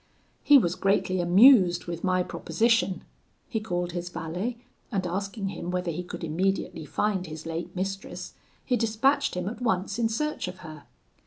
"'He was greatly amused with my proposition; he called his valet, and asking him whether he could immediately find his late mistress, he dispatched him at once in search of her.